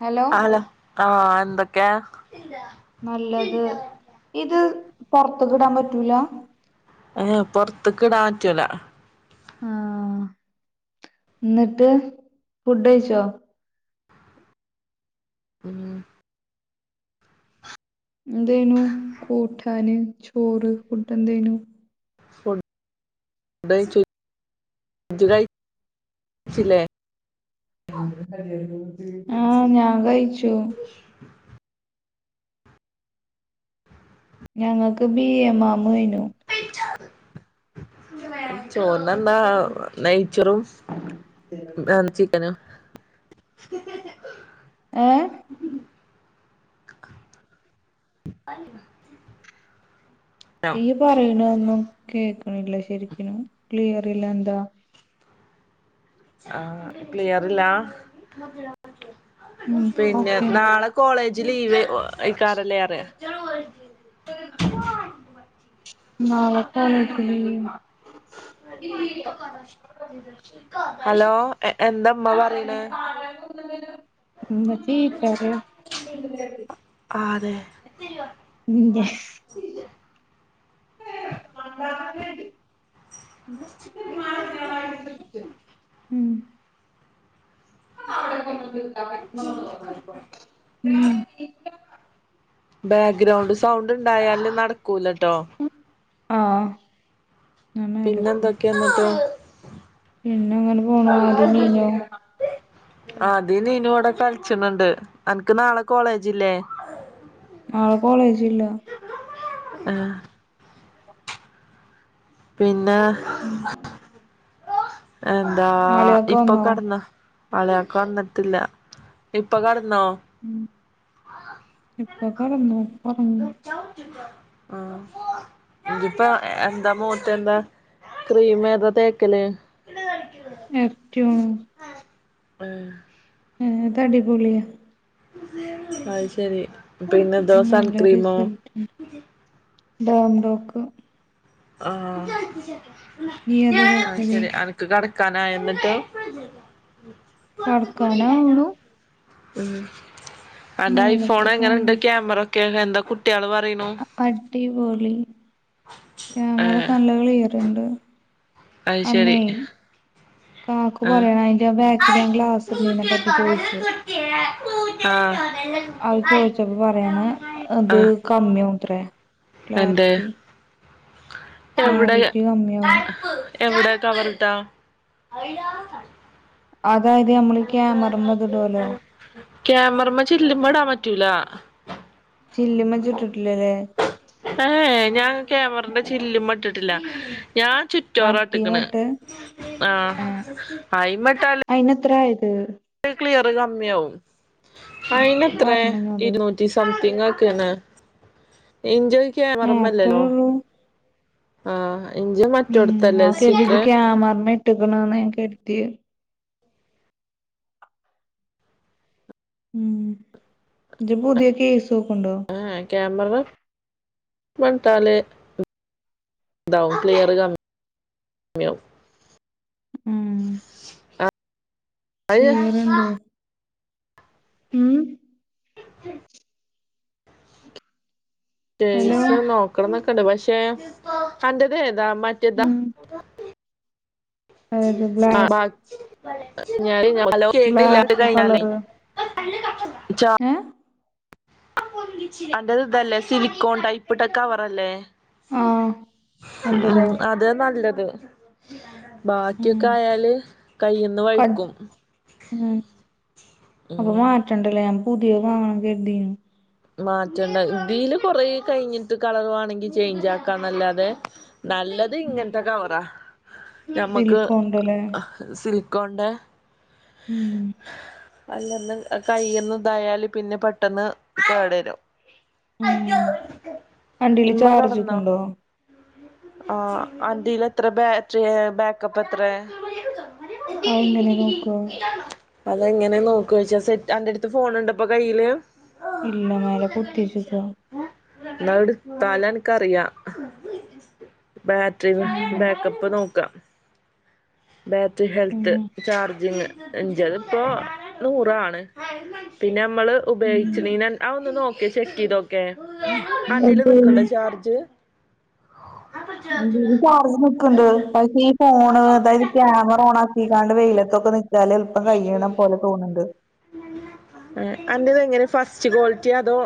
Hello ആഹ് എന്തൊക്കെ നല്ലത് ഇത് പൊറത്ത കിടാൻ പറ്റൂല ഏ് പൊറത്ത്ക്കിടാ പറ്റൂല ആഹ എന്നിട്ട് ഫുഡ് കഴിച്ചോ ഉം എന്തേനു കൂട്ടാന് ചോറ് ഫുഡ് എന്തേനു ഫുഡ്‌ കയ്ച്ച ജ് കയിച്ചില്ലെ ആഹ ഞാൻ കഴിച്ചു ഞങ്ങൾക്ക് ബീ എ മാമനു ചൊർന്നന്ത ന ചെറും ആ ചിക്കന ഉ ഏഹ് [inaudible] ഈ പറയണ ഒന്നും കേക്കണില്ല ശരിക്കനും ക്ലിയർല്ല എന്താ ആഹ ക്ലിയറില്ലാ ഉം പിന്നെ ഓക്കെ നാളെ കോളേജ് ലീവ് എയ്ക്കാരംല്ലേ [unintelligible] ഹലോ എന്താ ഉമ്മ പറയണേ [inaudible] [unintelligible] ആഹ് അതെ ഇന്റെ [unintelligible] മ് [unintelligible] ആ അവിടെക്കെൻ പ ബാക്ക്ഗ്രൗണ്ട് സൗണ്ട് ഉണ്ടായാലും നടക്കൂലട്ടോ ആ പിന്നെ എന്തൊക്കെയെന്നൊക്കെ പിന്നെ അങ്ങനെ പോണു അതിനല്ലോ ആ അതിന് ഇനോടക്കാല ണ്ട് എനിക്ക് നാളെ കോളേജില്ലേ നളെ കോളേജ ഇില്ല ആഹ് പിന്നെ ഉം എന്താ നാളെയൊക്കെ ഇപ്പൊ വന്നോ കടന്ന് പളിയൊക്കെ വന്നിട്ടില്ല ഇപ്പൊ കടന്ന ഉ ഇപ്പൊ കടന്നു പറഞ്ഞു ആ ഇതിപ്പോ എന്താ മോട്ട എന്താ ക്രീം ഏതാ തേക്കല് എറ്റണ ആ ആ അത അടിപൊളിയ അ ശരി പിന്നെ ദോസ ആൻ നല്ല ക്രീമോ ഡാംഡോക്ക് ആ നീ ഏതാ ആ തേക്കല് ശരി അനക്ക് കട കാനായോ എന്നിട്ട് കടക്കാനാവുണ് ഉ അന്റെ മേലക്ക് ഐഫോൺ എങ്ങനെുണ്ട് പോണം ക്യാമറ ഒക്കെ എന്താ കുട്ടികള് പറ അടിപൊളി ഏഹ് ക്യാമറൊക്കെ നല്ല കളിയറുണ്ട് അത് ശരി കക്ക് ആഹ് പറയണം അതിന്റെഞൻ ബാക്കില് ഞാൻ ക്ലാസ്ുന്നീനെ പറ്റി ചോദിച്ചു അത് ചോദിച്ചപ്പോ പറയാണ് അത് ആഹ് കമ്മിോ അത്ര എന്തേ ക്ലാരിറ്റി എവിടെ ക്ലാരിറ്റി കമ്മിയാവും എവിടെ കവർട്ട അതായത് നമ്മള് ക്യാമറമ്മ ഇത് ഇടുവല്ലോ ക്യാമറമ്മചില്ല്‌മേ ഇടാൻ പറ്റൂല ചില്ലി മച്ച ഇട്ടിട്ടില്ലല്ലേ ക്യാമറിന്റെ ചില്ലും മട്ടിട്ടില്ല ഞാൻ ചുറ്റോറ ഇട്ടക്കണ് മറ്റീമട്ട് ആ ഏ ആയി്മട്ടാലേ അ കമ്മിയ ആ അത്ര പറഞ്ഞിന്നോട് ഇരുന്നൂറ്റി ങ്ങ ഒക്കെയന്ന് ഇഞ്ചോക്ക ഏ പററമ്പല്ലല്ലോ അത്രേള്ളൂ ആ ഉം ആക്ക എതി ക്യാമറി ഇട്ടക്കണന്ന് കട്ട ഉം ഇത് പുതിയ കേസ് നോക്ക്ണ്ടോ ആ ക്യാമറ ഇട്ടാൽ [unintelligible] [unintelligible] ക്ലിയറ് കം മ്മിയാകും ഉം അ [inaudible] ക്ലിയറ്ണ്ട് ഉം [unintelligible] ഹലോ ടേസ് നോക്കണം എന്നൊക്കെണ്ട് പക്ഷെ [unintelligible] താ മറ്റ്താ ഉം ഏത് ആ ബ്ലാക്ക് ഞാൻ ഹലോ കേട്ടില്ല ബ്ലാക്ക് കളറ് [inaudible] ഏ അന്റെത് ഇതല്ലേ സിലിക്കോൺ ടൈപ്പിട്ട കവറല്ലേ ആ ഉ അന്റതോ അതെ നല്ലത് ഉം ബാക്കിയൊക്കെ ആയാല് കൈന്ന് കജ് വഴ്ക്കും. ഉം അപ്പൊ മാറ്റണ്ടല്ലേ ഞാ പുതിയവാങ്ങാ കരുതി. മാറ്റണ്ട ഇതിൽ കൊറെ കഴിഞ്ഞിട്ട് കളറുവാണെങ്കി ചേഞ്ച് ആക്കാന്നല്ലാതെ നല്ലത് ഇങ്ങനത്തെ കവറാ ഞമ്മുക്ക് സിലിക്കോണ്ടല്ലേ സിൽ കൊണ്ട് ഉം അല്ലന്ന് കൈന്ന് ഇതായല് പിന്നെ പെട്ടെന്ന് കേടരും. ഉം അന്റേല് ഇമ്മ കെടന്നോ ചാർജ്ക്ക്ണ്ടോ ആഹ് ആതീൽ എത്ര ബാറ്ററി ബാക്കപ്പ് എത്ര ആ എങ്ങനെ നോക്കോ അതെങ്ങനെ നോക്കഴിച്ചാ സെറ്റ് അന്റെ അടുത്ത് ഫോണുണ്ട്പ്പോ കയ്യില് ഇല്ല മേല പൊത്തി വച്ചേക്കുവ എന്നടുത്താല് എനിക്കറിയാ ബാറ്ററി ഉം ബാക്കപ്പ് നോക്കാം ബാറ്ററി ഹെൽത്ത് പിന്നെ ചാർജിങ് അഞ്ച് അത്പ്പോ നൂറാണ് പിന്നെ നമ്മള് ഉപയോഗിച്ച് നീനെൻ അ ഒന്ന് നോക്കെ ചെക്ക് ചെയ്തോ ഏ [unintelligible] ന്ക്കണ്ടോ ചാർജ് എന്റീല് ചാർജ് നിക്ക്ണ്ട് പക്ഷേ ഈ ഫോണ് അതായത് ക്യാമറ ഓൺ ആക്കിക്കാണ്ട് വെയിലത്തൊക്കെ നിൽക്കാൽ എളുപ്പം കൈയീണം പോലെ തോന്നുന്നുണ്ട്. അന്റെറത എങ്ങനെ ഫസ്റ്റ് ക്വാളിറ്റി അതോ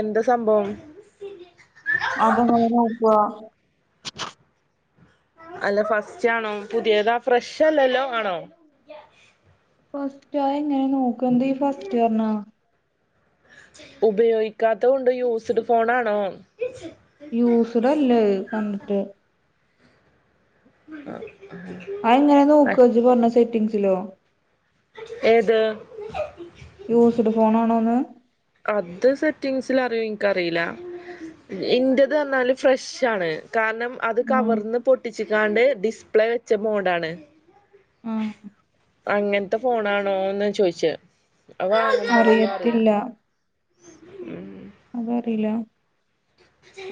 എന്താ സംഭവം അതെങ്ങനെ നോക്കാ അല്ല ഫസ്റ്റ് ആണോ പുതിയതാ ഫ്രഷല്ലല്ലോ ആണോ ഫസ്റ്റായ എങ്ങനെ നോക്കന്തി ഫസ്റ്റ് ഇയറിനാ ഉപയോഗിക്കാത്ത കൊണ്ട് യൂസ്ഡ് ഫോണാണോ യൂസ്ഡ് അല്ലേ കണ്ടിട്ട് [inaudible] അതെങ്ങനെ നോക്കെജി പറഞ്ഞ സെറ്റിങ്സിലോ ഏത് യൂസ്ഡ് ഫോണാണോന്ന് അത് സെറ്റിങ്സിൽ അറിയോ എനിക്കറിയില്ല ഇന്റ്യേത് പറഞ്ഞാല് ഫ്രഷ് ആണ് കാരണം അത് ഉം കവർന്ന് പൊട്ടിച്ച കാണ്ട് ഡിസ്പ്ലേ വെച്ച മോഡാണ് ഉം അങ്ങനത്തെ ഫോണാണോ എന്ന ചോയിച്ച അവ [inaudible] ആ അറിയത്തില്ല അത അറിയില്ല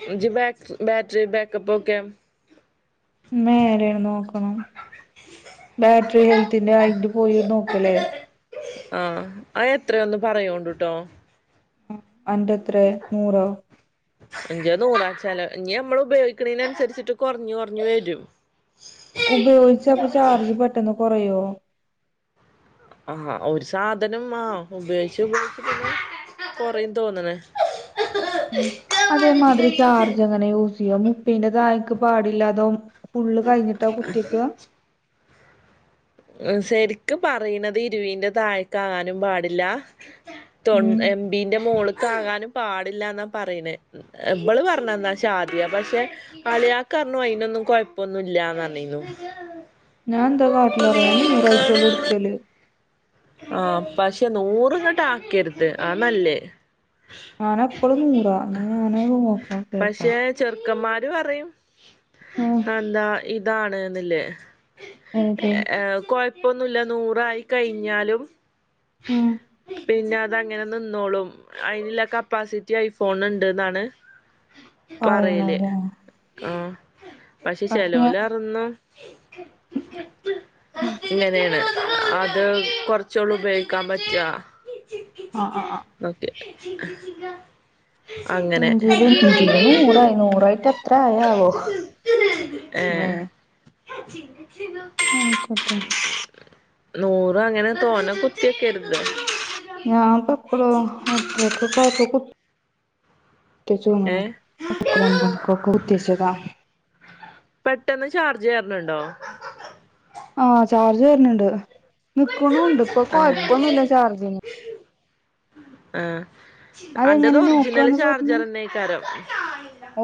റിജ് ബാക്ക് ബാറ്ററി ബാക്കപ്പൊക്കേം ഉം വേറെണ് നോക്കണം ബാറ്ററി ഹെൽത്തിന്റേയോ അയിന്റേം പോയി നോക്കല്ലേ ആ അയ് എത്രയ ഒന്നു പറയോണ്ട്ട്ടോ ഉം അന്റെ എത്രേ നൂറോ ഇന്റെ നൂറാഴ്ചാലോ ഞ്ഞി മ്മള് ഉപയോഗിക്കണെനനുസരിച്ചിട്ട് കുറഞ്ഞ് കുറഞ്ഞ് വരും ഉപയോഗിച്ച അപ്പൊ ചാർജ് പെട്ടന്ന് കുറയോ ആ ഒരു സാധനം ആ ഉപയോഗിച്ച് ഉപയോഗിച്ച് പിന്നെ കൊറയും തോന്നണ് ഉം അതേമാതിരി ചാർജ് എങ്ങന യൂസീയ്യാം മുപ്പേന്റെ തായേക്ക് പാടില്ലാതോ ഫുള്ള് കഴിഞ്ഞിട്ടാ കുത്തിക്കാ എഹ് ശരിക്ക് പറയണത് ഇരുവീന്റെ താഴേക്കാകാനും പാടില്ല തൊൺ ഉം എം ബീ ന്റെ മോള് ക്കാകാനും പാടില്ലാന്നാ പറയണെ ഉം എഹ് ബ്ള് പറഞ്ഞന്നാ ഷാദിയ പക്ഷെ കളിയക പറണു അയ്നൊന്നും കൊഴപ്പൊന്നും ഇല്ലാ നറ്ഞ്ഞേര്ന്നു എന്താറയ ഞാൻ നൂറായിട്ടുള്ളു ഇട്ക്കല് ആ പക്ഷെ നൂറ്ങ്ങ്ട്ട് ആക്കെര്ത് ആ നല്ല് ഞാനെപ്പളു നൂറാ എന്ന ഞാന് ഒന്ന് നോക്കട്ടേ ട്ടാ പക്ഷെ ചെറുക്കന്മാര് പറയും ആ എന്താ ഇതാണ്ന്ന്ല്ലേ ഏത് ഏഹ് കൊഴപ്പൊന്നുല്ല നൂറായി കഴിഞ്ഞാലും ഉം പിന്നെ അ തങ്ങനെ നിന്നോളും അയിന്ള്ള കപ്പാസിറ്റി ഐഫോണിന് ഇണ്ട് ന്നാണ് പറയല് പറയണല്ലേ ആ പക്ഷെ ചെലോല് അറൊന്നും ഇങ്ങനെയാണ് അ ത് കൊറച്ചോളു ഉപയോഗിക്കാൻ പറ്റാ ആ ആ ആ [inaudible] അങ്ങനെ ന്റീല് ന്റീല് നൂറായി നൂറായിട്ട് എത്ര ആയാവോ ഏ മേ ആയ്ക്കൊട്ടെ നൂറ് അങ്ങനെ തോനെ കുത്തിക്കെര്ത് ഞാൻ പ്പൊപെപ്പഴോ എട്ടരക്കൊക്ക ക്ക കു ഏ ത്തിചോന്നണ് എട്ടര ഒമ്പണിക്കൊക്ക കുത്തിച്ചതാ പെട്ടെന്ന് ചാർജ് കേറണണ്ടോ ആ ചാർജ് കേറ്ണണ്ട് നിക്ക്ണുണ്ട് ഇപ്പൊ ആ കൊയ്പ്പൊന്നുല്ല ചാർജിന് ആ അന്റത് അതെങ്ങനെ ഒറിജിനല് നോക്കാന്ന് പറഞ്ഞ് ചാർജറന്നെ ആയിക്കാരം ഓ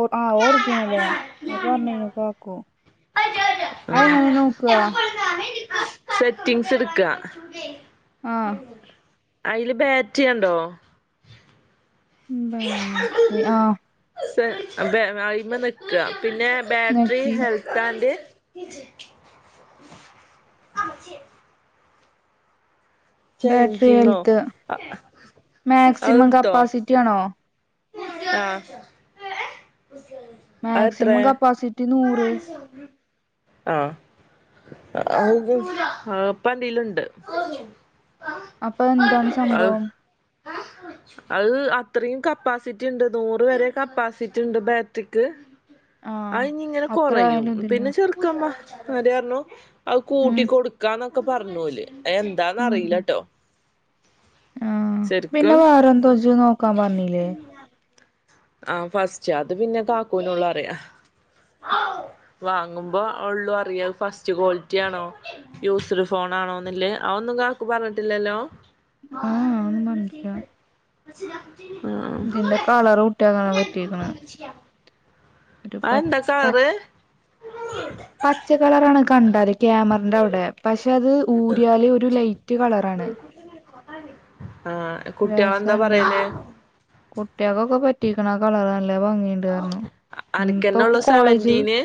[unintelligible] പറഞ്ഞീനു കാക്കു ആ അതെങ്ങനെ നോക്കുക സെറ്റിങ്സ് എട്ക്ക ആ അയില് ബാറ്റ് കണ്ടോ ഉം ബാട്രി ആ ത്ത് ആ ബാ അയ്മ നിക്ക പിന്നെ ബാട്രി നോക്കി ഹെൽത്ത് ആൻഡ് [inaudible] ബാറ്ററി ചെയ്ഞ്ചിങ്ങോ ഹെൽത്ത് ആ അ മാക്സിമം അത്ടുത്തോ കപ്പാസിറ്റി ആണോ ആ മാക്സിമം കപ്പാസിറ്റി നൂറ് ആ [unintelligible] ആ അപ്പന്റേല്ണ്ട് അപ്പൊ എന്താണ് സംഭവം അത് അത്രയും ക കപ്പാസിറ്റി ഉണ്ട് നൂറ് വരെ കപ്പാസിറ്റി ഉണ്ട് ബാറ്ററിക്ക് അ ആഹ് ഇനി ഇങ്ങനെ അത്ര കൊറയും ആയാലും ഇതില്ല പിന്നെ ചെറുക്കമ്മ അരണു അത് ഉം കൂട്ടി കൊടുക്കാന്നൊക്കെ പറഞ്ഞുല്േ എന്താന്നറിയിലട്ടോ ആ പിന്നെ വേറെന്തോ വ നോക്കാൻ പറഞ്ഞില്ലേ ആഹ ഫസ്റ്റ് അത് പിന്നെ കാക്കുനള്ള അറിയ വാങ്ങുമ്പോ ഉള്ളൂ അറിയ ഫസ്റ്റ് ക്വാളിറ്റി ആണോ യൂസ്ഡ് ഫോൺ ആണോ എന്നില്ലേ ന്നക്ക് പറഞ്ഞിട്ടില്ലല്ലോ ആഹ് ഒന്നും പറഞ്ഞില്ല ആഹ് ഇതിന്റെ കളർ കുട്ടിയ കാണാൻ പറ്റിക്കണ ആ എന്താ കാളറ് പച്ച കളറാണ് കണ്ടല് ക്യാമറിന്റെ അവിടെ പക്ഷെ അത് ഊര്യാാല ഒരു ലൈറ്റ് കളറാണ് [unintelligible] കുട്ടികളെന്താ രസുണ്ട് പറയല് കുട്ടികക്കൊക്കെ പറ്റിക്കണ കളറല്ല എല്ല ഭംഗിയണ്ട് കാരണം ഇപ്പൊ അനക്കന്നെ ഉള്ളു കോളേജ് സെവന്റീന്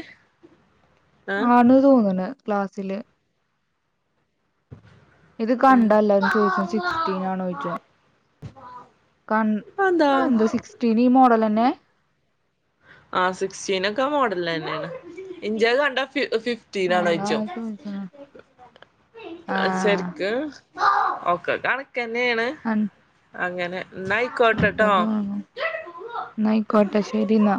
ആഹ് ആണ് തോന്നണ ക്ലാസ്സില് ഇത് കണ്ടല്ലാരും ചോദിച്ചോ സിക്സ്റ്റീൻ ആണ ചോദിച്ചോ കൺ അതെന്താ എന്ത സിക്സ്റ്റീൻ ഈ മോഡൽ എന്നന്നെ ആ സിക്സ്റ്റീൻൊക്കെ മോഡൽ തന്നെയാണ് ഇന്ത്യ കണ്ട്യ ഫിഫ്റ്റീൻ ആഹ് ആണ അതാ ജോയ് ചോദിച്ചത് ച്ചും ആഹ് ശരിക്ക ഓക്കെ കണക്ക തന്നെയാണ് അങ്ങനെ എന്നാ ആയിക്കോട്ടെട്ടോ ചെലപ്പംഅത് വാങ്ങും ന്നാ യിക്കോട്ടെ ശരി എന്നാ